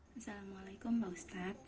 assalamualaikum mbak ustadz